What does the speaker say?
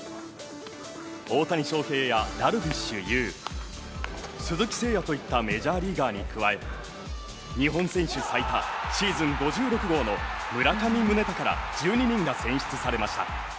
大谷翔平やダルビッシュ有鈴木誠也といったメジャーリーガーに加え日本選手最多シーズン５６号の村上宗隆ら１２人が選出されました。